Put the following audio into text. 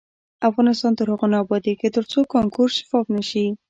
افغانستان تر هغو نه ابادیږي، ترڅو کانکور شفاف نشي.